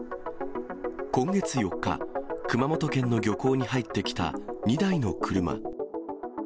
今月４日、熊本県の漁港に入ってきた２台の車。